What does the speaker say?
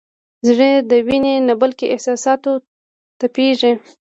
زړه د وینې نه بلکې احساساتو تپېږي.